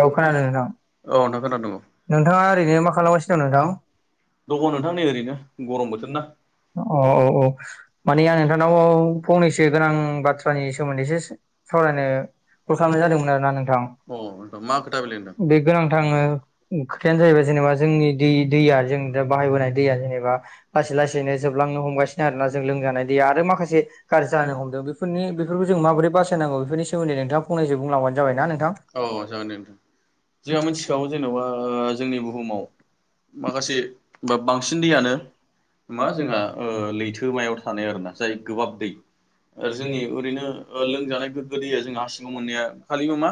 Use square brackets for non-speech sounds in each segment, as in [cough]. औ खोनादों नोंथां। औ नोंथाङा ओरैनो मा खालामगासिनो दं नोंथां? दङ ब्रह्म नोंथां नै ओरैनो [unintelligible] गरम बोथोर ना [unintelligible] [unintelligible] औ औ औ माने आं नोंथांनाव फंनैसो गोनां बाथ्रानि सोमोन्दैसो सावरायनो कल खालामनाय जादोंमोन आरो ना नोंथां, ! अथ मा खोथा होनदों खोथायानो जाहैबाय जेनेबा जोंनि दै दैया जों बाहायबोनाय दैया जेनेबा लासै लासैनो जोबलांनो हमगासिनो आरो ना जों लोंजानाय दैया आरो माखासे गाज्रि जानो हमदों बेफोरखौ जों माबोरै बासायनांगौ बेनिोमोनदैोंथा फंनैजों बुंलबानो जाबाय ना नोंथां। औ जागोन देथां जोंहा मिथिखागौ जेनेबा जोंनि बुहुमाव माखासे बा बांसिन दैयानो मा जोंहा लैथोमायाव थानाय आरोना जाय गोबाब दै जोंनि ओरैनो लोंजानाय गोग्गो दैया जों हाङाव मोननाया खालि मा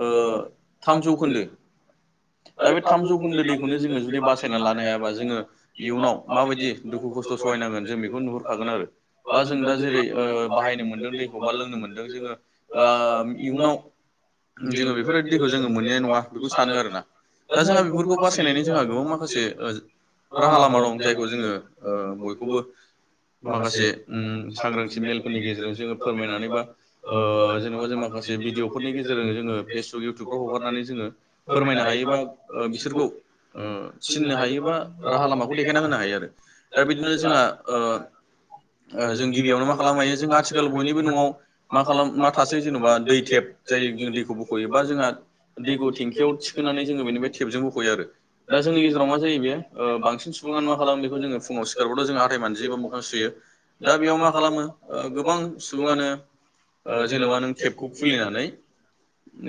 ओ थाम जौखोन्दो दा बे थाम थामौखुन्द जौखोन्दो दैखौनो जोङो जुदि बासायना लानो हायाबा जोङो इयुनाव माबायदि दुखु खस्थ' सहायनांगोन जों बेखौ नुहुरखागोन आरो बा जों दा जेरै ओ बाहायनो मोनदों दैखौ बा लोंनो मोनदों जोङो ओ [unintelligible] इयुनाव [unintelligible] [inaudible] जोङो बेफोरबायदि दैखौ जोङो मोनहैनाय नङा बेखौ सानो आरो ना दा जोंहा बेफोरखौ बासायनानै जोंहा गोबां माखासे ओ राहा लामा दं जायखौ जोङो ओ बयखौबो माखासे उम सांग्रांथि मेलफोरनि गेजेरजों जोङो फोरमायनानै बा ओ जेनेबा जों माखासे भिडिअफोरनि गेजेरजों जों पेसबुक इउटुबाव हगारनानै जोङो फोरमायनो हायोबा बिसोरखौ ओ थिननो हायो बा राहा लामाखौ देखायना होनो हायो आरो। दा बिदिनो जोंहा ओ ओ जों गिबियावनो मा खालामनो हायो जों आथिखाल बयनिबो न'आव मा खालाम मा थासै जेन'बा दै टेब [inaudible] खौ बख'योबा जोंहा दैखौ थेंखियाव थिखोनानै जोङो बेनि टेबजों बख'यो आरो। दा जोंनि गेजेराव मा जायो बे बांसिन सुबुंङानो मा खालामो बेखौ जोङो फुङाव सिखारबाथ' जोंङो हाथाय मानजियो बा मोखां सुयो। दा बेयाव मा मा खालामो गोबां सुबुङानो जेन'बा नों टेपखौ खुलिनानै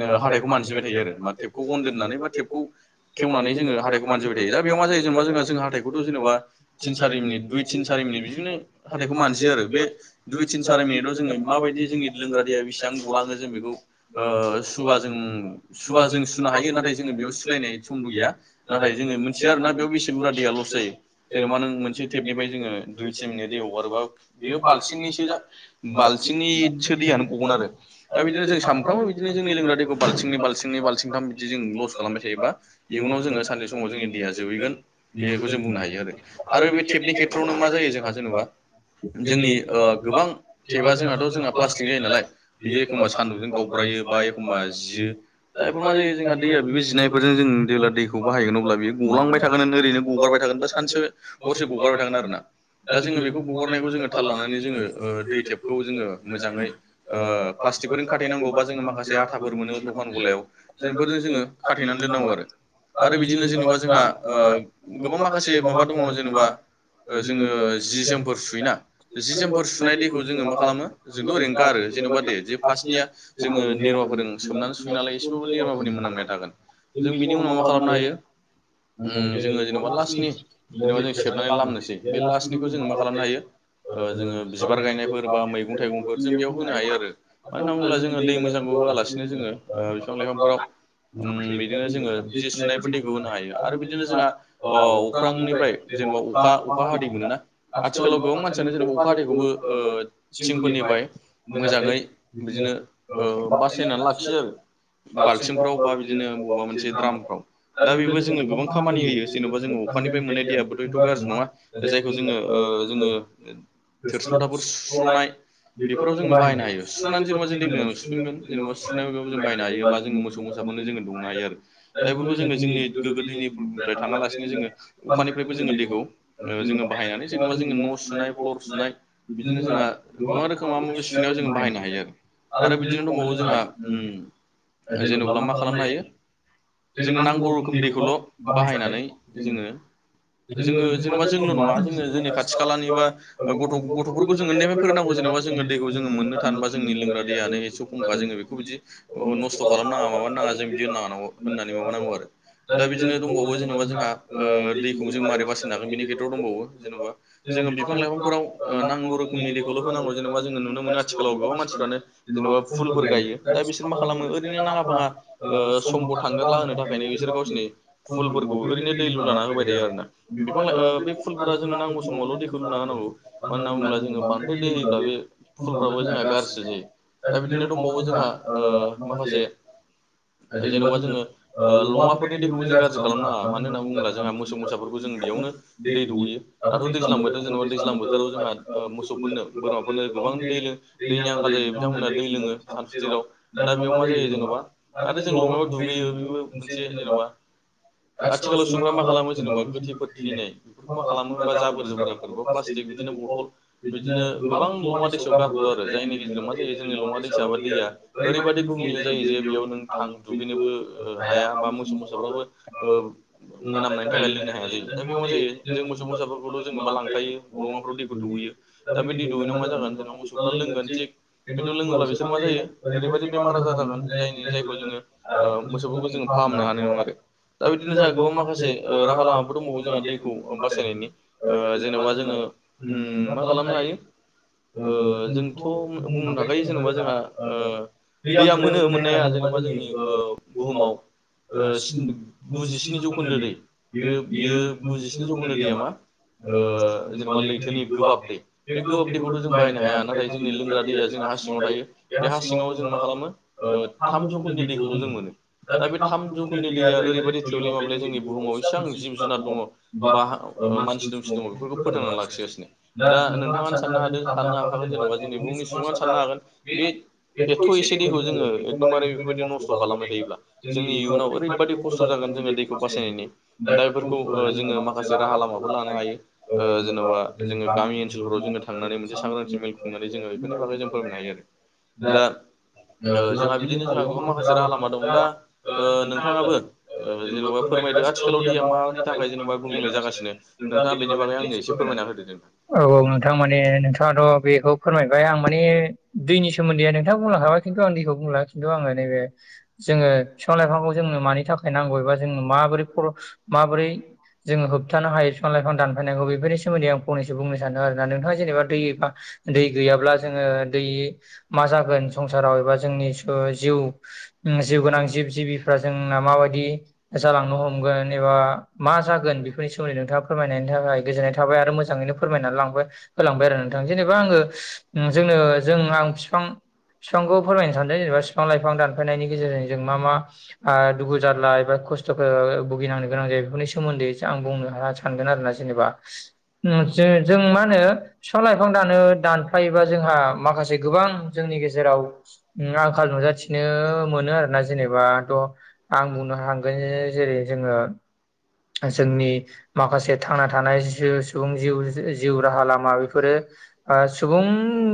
ओ हाथायखौ मानजिबाय थायो आरो मा टेबखौ अन दोननानै बा टेबखौ खेवनानै जोङो हथायखौ मानजिबाय थायो। दा बे बेयाव मा जायो जेनेबा जोंहा जोंहा हाथाइखौथ' जेनेबा थिन सारि मिनिट दुइ तिन सारि मिनिट बिदिनो हाथायखौ मानजियो आरो। बे दुइ तिन सारि मिनिटाव जोङो माबायदि जोंनि लोंग्रा दैया बेसेबां गलाङो जों बेखौ ओ सुबा जों सुबा जों सुनो हायो नाथाय जोङो बेयाव सुोलायनाय समबो गैया नाथाय जोङो मोनथियो आरो, नाथाय बेसे बुरजा दैया लस जायो जेनेबा नों मोनसे टेबनिफाय जोंङो दुइ टिन मिनिट दै हगारोबा बेयो बालथिंनैसो जा बालथिंनैसो दैयानो गगोन आरो दा बिदिनो जों साम जोंनि लोंग्रा दैखौ बालथिंनै बालथिंनै बालथिंथाम बिदि जों लस खालामबाय थायोब्ला इउनाव जों सानसे समाव जोंनि दैया जोबहैगोन बेखौ जों बुंनो हायो आरो। आरो बे टेपनि खेथ्रआवनो मा जायो जोंहा जेन'बा जोंनि गोबां टेबा जोंहाथ' जोंहा प्लास्टिकनि जायो नालाय बियो एखम्बा सान्दुंजों गाव बा एखमबा जियो। दा इफोर मा जायो जोंहा दैया बेबो जिनायफोरजों जों जेब्ला दैखौ बाहायगोन अब्ला बेयो गलांबाय थागोन ओरैनो गगारबाय थागोन बा सानसे हरसे गगारबाय थागोन आरो ना। दा जोङो बेखौ गगारनायखौ जोङो थाल लानानै जोङो ओ दै टेबखौ जोङो मोजाङै ओ प्लासटिकफोर खाथेनांगौ बा जों मा खासे आथाफोर मोनो दखान गलायाव जों बेफोरजों जोङो खाथेनानै दोननांगौ आरो। आरो बिदिनो जेनेबा जोंहा ओ गोबां माखासे माबा दङ जेनेबा जोङो जि जोमफोर सुयोना, जि जोमफोर सुनाय दैखौ जोङो मा खालामो जोंथ' ओरैनो गारो। जेनेबा दे जे फार्स्टनिया निरमाफोर फोरजों सोमनानै सुखैयो नालाय एसेबाबो निरमाफोरनि मोनामनाय थागोन। जों बिनि उनाव मा खालामनो हायो? ओम जोङो जेनेबा लासनि जेनेबा जों सेबनानै लामनोसै बे लासनिखौ जोङो मा खालामनो हायो? ओ जोङो बिबार गायनायफोर बा मैगं थाइगंफोर जों बेयाव होनो हायो आरो। मानो होनना बुङोब्ला जोङो दै मोजांखौ होआलासिनो जोङो ओ बिफां लाइफांफोराव उम बिदिनो जोङो जि सुनायबो दैखौ होनो हायो आरो बिदिनो जोंहा ओ अख्रांनिफ्राय जेनेबा अखा अखा हादै मोनोना? आथिखालाव गोबां मानसियानो जेनेबा अखा हादैखौबो ओ थिंफोरनिफ्राय मोजाङै बिदि नो ओ बासायनानै लाखियो आरो बाल्थिंफ्राव बा बिदिनो बबेबा मोनसे द्रामफ्राव। दा बेबो जोङो गोबां खामानि होयो जेन'बा जोङो अखानिफ्राय मोननाय दैेयाबोथ' एथ' गाज्रि नङा जायखौ जोङो ओ ओ जोङो थोरसि लथाफोर सुस्र'नाय बेफोराव जोङो बाहायनो हायो। सुस्रनानै जेनेबा जों दै मोजांजों सुफिनगोन जेनेबा सुनायनि अनगायैबो जों बाहायनो हायो बा जों मोसौ मोसाफोरनो जोङो दौनो हायो आरो। दा बेफोरखौ जोङो जोंनि गोगो दैनिफ्राय थाङालासिनो जोङो अखानिफ्रायबो जोङो दैखौ ओ जोङो बाहायनानै जेनेबा जोङो सुनाय फ्लर सुनाय बिदिनो जोंहा गोबां रोखोम माबा माबि सुनायाव जोंङो बाहायनो हायो आरो। बिदिनो दंबावो जोंहा ओम जेनेब्ला मा खालामनो हायो? जोङो नांगौ रोखोम दैखौल' बाहायनानै जोङो जोङो जेनेबा जोंल' नङा जोङो जोंनि खाथि खालानि बा गथ' गथ'फोरखौ जों उदैफ्राय फोरोंनांगौ जेनेबा जोङो दैखौ जोङो मोननो थान बा जोंनि लोंग्रा दैयानो एसे खमखा जोङो बेखौ बिदि ओ नस्थ' खालामनाङा माबानो नाङा जों बिदि होन नांगौ होननानै माबानांगौ आरो। दा बिदिनो दंबावो जेनेबा जोंहा ओ दैखौ जों मारै बासिनो हागोन बेनि खेथ्रआव दंबावो जेन'बा जोङो बिफां लाइांफोराव नांगौ रोखोमनि दैखौल' होनांगौ जेनेबा जोङो नुनो मोनो आथिखालाव गोबां मानसिफ्रानो जेनेबा फुलफोर गायो दा बिसोर मा खालामो ओरैनो नाङा फाङा समखौ थांगारला होनो थाखायनो बिसोर गावसोरनि फुलफोरखौ ओरैनो दै लुलाना होबाय थायो आरोना बिफां बे फुलफोरा जोंनो नांगौ समावल' दैखौ लु ना होनांगौ मानो होनना बुंल्बा जोङो बांद्राय दै होयोब्ला बे फुलफ्राबो जोंहा गाज्रिसो जायो। दा बिदिनो दंबावो जोंहा माखासे जेन'बा जोङो लङाफोरनि दैखौबो जों गाज्रि खालामनाङा मानो होनना बुङोब्ला जोंहा मोसौ मोसाफोरखौ जों जों बेयावनो दै दुगैयो दाथ' दैज्लां बोथोर जेनेबा दैज्लां बोथोराव जोंहा मोसौफोरनो बोरमाफोरनो गोबां दै दैनि आंखाल जायो। बिथांमोनहा दै लोङो सानसुथिाव दा बेयाव मा जायो जेन'बा आरो जों लङायाव दुगैयो बेबो मोनसे जेन'बा [inaudible] आथिखालाव सुबुंफ्रा मा खालामो जेनेबा गोथैफोर थैनाय बेफोरखौ मा खालामो हबा जाबोर जुबोराफोर बा प्लास्टिक बिदिनो बथल बिदिनो गोबां लङा दैसायाव गारहरो आरो जायनि गेजेराव म जोंनि लङा दैसा बा दैया ओरैबायदि गुबुंले जायो जे बेयाव नों थां दुगैनोबो हाया बा मोसौ मोसाफ्राबो मोनामनायनि थाखाय लोंनो हाया जायो दा बेयाव मा जायो जों मोसौ मोसाफोरखौ' जो जेनबा लांखायो अमाफ्राव दैखौ दुगैयो दा बे दै दुगैनायाव मा जागोन जोंहा मोसौफ्रा लोंगोन थिग खिन्थु लोङोब्ला बिसोर मा जायो ओरैबायदि बेमार आजार जागोन जायनि जायखौ जोङो मोसौफोरखौ जों फाहामनो हानाय नङा आरो दा बिदिनो जोंहा गोबां माखासे राहा लामाफोर दंबावो जोंहा दैखौ बासायनायनि जेन'बा जोङो मा खालामनो हायो जोंथ' बुंनो थाखायो जेन'बा जोंहा दैया मोनो मोननाया जेन'बा जोंनि बुहुमाव गुजिस्नि जौखोन्दो दै बेयो बियो गुजिस्नि जौखोन्दो दैया मा जेनेबा लैथोनि गोबाब दै बे गोबाब दैखौथ' जों बायनो हाया नाथाय जोंनि जोंग्रा दैया जोंना हा सिङाव थायो बे हा सिङाव जों मा खालामो थामजौखोन्दो दैखौल' जों मोनो दा बे थाम जौखोन्दो दैया ओरैबायदि थोब्ले माब्ले जोंनि बुहुमाव इसिबां जिब जुनार दङ ब मानसि दुमसि दङ बेफोरखौ फोथांना लाखिगासिनो दा नोंथाङा सान ह साननो हाफागोन जेनेबा जोंनि बहुमनि सुबुंनो साननो हागोन बे एथ' एसे दैखौ जोङो एकदमबारे बेफोरबायदि नस्थ' खालामबाय थायोब्ला जोंनि इयुनाव ओरैबाददि खस्थ' जागोन। जोङो दैखौ बासायनायनि दा बेफोरखौ जोङो माखासे राहा लामाफोर लानो हायो जेन'बा जोङो गामि ओनसोलफोराव जोङो थांनानै मोनसे सांग्रांथि मेल खुंनानै जोङो बेफोरनि बागै जों फोरमायनो हायो आरो दा जोंहा बिदिनो जोंहा गोबां माखासे राहा लामा दं दा नोंथाङाबो जेन'बा फोरमायदो आथिखालाव दैया मानि थाखाय जेन'बा गुबुंले जागासिनो नोंथाङा बेनि बागै आंनो एसे फोरमायना होदो नोंथां। औ नोंथां माने नोंथाङाथ' बेखौ फोरमाय ओमफ्राय आं माने दैनि सोमोन्दै नोंथां बुंलांखाबाय खिन्थु आं दैखौ बुंला खिन्थु आङो नैबे जोङो बिफां लाइफांखौ जोंनो मानि थाखाय नांगौ एबा जोंनो माबोरै माबोरै जोङो होबथानो हायो बिफां लाइफां दानफायनांग बेफोरनि सोमोन्दै आंनैसनो सानो आरो नोंथाङा जेनेबा दैबा दै [inaudible] गोनां जिब जिबिफ्रा जोंना माबायदि जालांनो हमगोन एबा मा जागोन बेफोरनि सोमोन्दै नोंथाङा फोरमायनायनि थाखाय गोजोननाय थाबाय आरो मोजाङैनो फोरमायनानै लांबाय होलांबाय आरो नोंथां जेनेबा आङो [inaudible] जोंनो जों आं बिफां बिफांखौ फोरमायनो सानदों जेनेबा बिफां लाइफां दानफायनायनि गेजेरजों जों मा मा दुगु जारला एबा खस्थ' भुगिनांनो गोनां जायो बेफोरनि सोमोन्दै आं बुंनो ह सानगोन आरोोना जेनेबा जों मा होनो बिफां लाइफां दानो दान फायोबा जोंहा माखासे गोबां जोंनि गेजेराव आंखाल नुजाथिनो मोनो आरो। जेनेबाथ' आं बुंनो हांगोन जेरै जोङो जोंनि माखासे थांना थानाय जि सुबुं जिउ जिउ राहा लामा बेफोर फोरो ओ सुबुं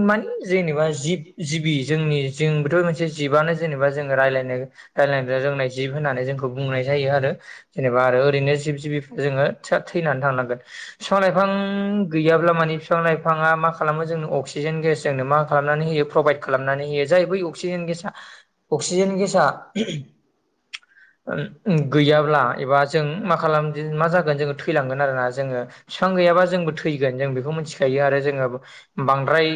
मानि जेनेबा जिब जिबि जोंनि जोंबोथ' मोनसे जिबआनो जेनेबा जों रा लायनाय रायलायनो रोंनाय जिब होननानै जोंखौ बुंनाय जायो आरो जेनेबा आरो ओरैनो जिब जोङो थैनानै थांनांगोन बिफां लाइफां गैयाब्ला माने बिफां लाइफांआ मा खालाम मो अक्सिजेन गेस जोंनो मा खालामनानै हो प्रभाइ खालामनानै होयो जायै बै अक्ज अक्सिजेन गेसा गैयाब्ला एबा जों मा खालाम मा जागोन जोङो थैलांगोन आरोना जोङो बिफां गैयाबा जोंबो थैगोन जों बेखौ मिथिखायो आरो जोङो बांद्राय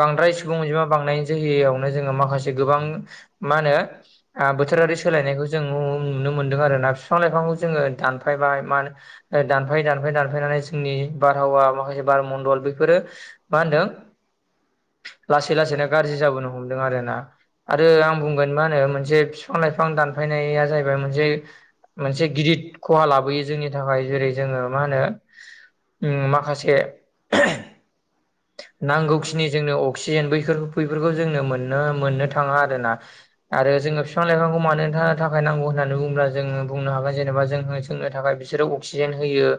बांद्राय सुबुं अनजिमा बांनायनि जोहयावनो जोङो माखासे गोबां मा होनो बोथोर सोलायनायखौ जों नुनो मोनदों आरो ना बिफां लाइफांखौ जोङो दानफायबाय मा दा नफाय दानफाय दानफायनानै जोंनि बारहावा माखासे बारमन्दल बेफोरो मा होनदों [unintelligible] लासै लासैनो गाज्रि जाबोनो हमदों आरो ना आरो आं बुंगोन मा होनो मोनसे बिफां लाइफां दानफायनाया जाहैबाय मोनसे मोनसे गिदिर खहा लाबोयो जोंनि थाखाय जेरै जोङो मा होनो उम माखासे नांगौखिनि जोंनो अक्सिजेन बै बैफोरखौ जोंनो मोन मोननो थाङा आरो ना आरो जोङो बिफां लाइफांखौ मानो थानो थाखाय नांगौ होननानै बुङोब्ला जोङो बुंनो हागोन जेनेबा जों जोंनो थाखाय बि सोरो अक्सिजेन होयो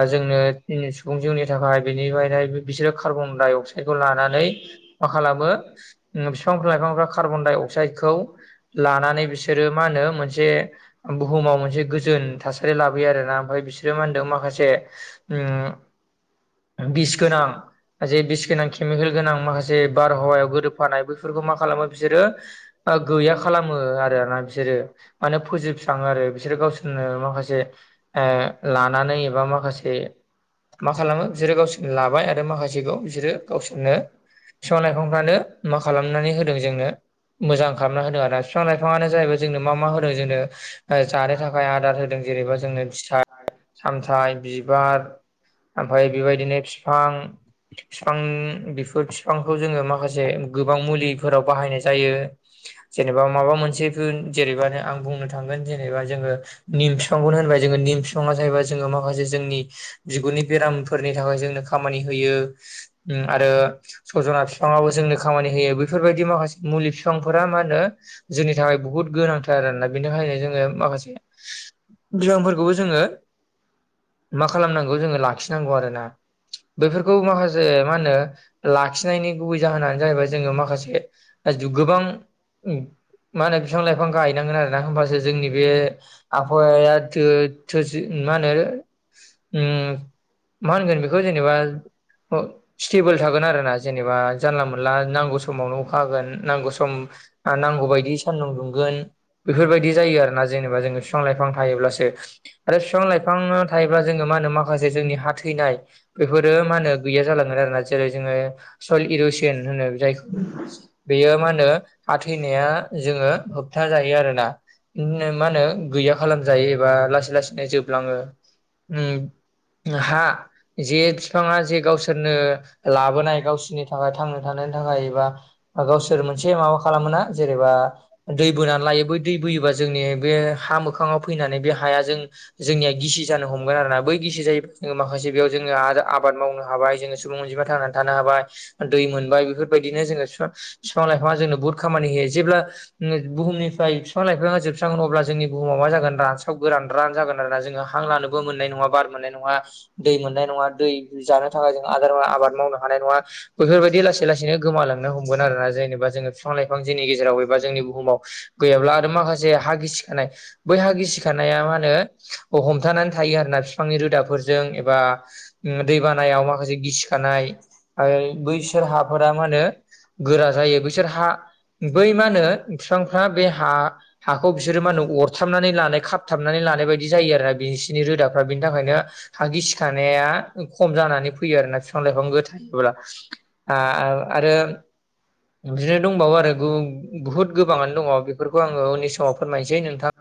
आ जोंनो सुबुं जिउनि थाखाय बेनि बिसोरो खार्बनडाइ खौ लानानै मा खालामो उम बिफां लाइफांफ्रा कार्बन डाइ अक्साइदखौ लानानै बिसोरो मा होनो मोनसे बुहुमाव मोनसे गोजोन थासारि लाबोयो आरोना ओम फ्राय बिसोरो मा होनदों माखासे उम बिस गोनां जे बिस गोनां केमिकेल गोनां माखासे बारहावायाव गोरोबफानाय बैफोरखौ मा खालामो बिसोरो ओ गैया खालामो आरो ना बिसोरो माने फोजोबस्राङो आरो बिसोरो गावसोरनो माखासे ओ लानानै एबा माखासे मा खालामो बिसोरो गावसोरनो लाबाय आरो बिसोरो गावसोरनो बिफां लाइफांफ्रानो मा खालामनानै होदों जोंनो मोजां खालामना होदों आरो ना बिफां लाइफाङानो जाहैबाय जोंनो मा मा होदों जोंनो जानो थाखाय आदार होदों जेनेबा जोंनो फिथाइ सामथाइ बिबार ओमफ्राय बेबायदिनो फिफां बिफां बेफोर बिफांखौ जोङो माखासे गोबां मुलिफोराव बाहायनाय जायो जेनेबा माबा मोनसे जेनेबा आं बुंनो थांगोन जेनेबा जोङो निम बिफांखौ होन बाय जोङो निम बिफाङा जाहैबाय जोङो माखासे जोंनि बिगुरनि बेरामफोरनि थाखाय जोंनो खामानि होयो उम आरो सजना बिफाङाबो जोंनो खामानि होयो बेफोरबादि माखासे मुलि बिफांफोरा मा होनो जोंनि थाखाय बुहुत गोनांथार आरोना बिनि थाखायनो जोङो माखासे बिबानफोरखौबो जोङो मा खालामनांगौ जोङो लाखिनांगौ आरो ना बेैफोरखौ माखासे मा होनो लाखिनायनि गुबै जाहोनानो जाहैबाय जोङो माखासे गोबां मा होनो बिफां लाइफां गायनांगोन आरोना होमबासो जोंनि बे आबहावाया थो-थो मा होनो उम मा होनगोन बेखौ जेनेबा अ' स्टेबोल थागोन आरो ना जेनेबा जानला मोनला नांगौ समावनो अखा हागोन नांगौ सम आं नांगौ बायदि सान्दुं दुंगोन बेफोरबायदि जायो आरोना जेनेबा जोङो बिफां लाइफां थायोब्लासो आरो बिफां लाइफां थायोब्ला जोङो मा होनो माखासे जोंनि हा थैनाय बे फोरो मा होनो गैया जालांगोन आरोना जेरै जोङो सय इर'सन होनो जायखौ बेयो मा होनो हा थैनाया जोङो होबथा जायो आरोना? उम मा होनो गैया खालामजायो एबा लासै लासैनो जोबलाङो उम हा बिबाङा जे गावसोरनो लाबोनाय गावसोरनि थाखाय थांना थानायनि थाखाय एबा गावसोर मोनसे मोनसे माबा खालामोना जेनेबा दै बोनानै लायो बै दै बोयोबा जोंनि बे हा मोखाङाव फै नानै बे हाया जों जोंनिया गिसि जानो हमगोन आरोना बै गिसि जायो जों माखासे दा आरो आबाद मावनो हाबाय जोङो सुबुं अनजिमा थांनानै थानो हाबाय दै मोनबाय बेफोरबायदिनो जोङो बिफां बिफां लाइफाङा जोंनो बुहुत खामानि होयो जेब्ला बुहुमनिफ्राय बिफां लाइफाङा जोबस्रांगोन अब्ला जोंनि बुहुमाव मा जागोन रानस्राव गोरानरान जागोन आरोना जोङो हां लानोबो मोननाय नङा बार मोननाय नङा। दै मोननाय नङा। दै जानो थाखाय जों आदारा आबाद मावनो हानाय नङा बेफोरबायदि लासै लासैनो गोमालांनो हमगोन आरोना जों जेन'बा जोङो बिफां लाइफां जोंनि गेजेराव एबा जोंनि बुहुमाव गैयाब्ला आरो माखासे हा गिसिखानाय बै हा गिसि खानाया मा होनो हमथानानै थायो आरोना बिफांनि रोदाफोरजों एबा उम दै बानायाव माखासे गिसिखानाय आइ बैसोर हाफोरा मा होनो गोरा जायो। बिसोर हा बै मा होनो बिफांफ्रा बे हा हाखौ बिसोरो मा होनो अरथाबनानै खाबथाबनानै लानाय बायदि जायो आरो ना बिसिनि रोदाफ्रा बेनि थाखायनो गिसिखानाया [unintelligible] खम जानानै फैयो आरोना बिफां लाइफां थायोब्ला ओ आरो बिदिनो दंबावो आरो बुहुत गोबाङानो दङ बेफोरखौ आङो उनि समाव फोरमायनोसै नोंथां